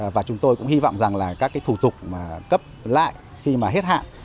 và chúng tôi cũng hy vọng rằng là các thủ tục cấp lại khi mà hết hạn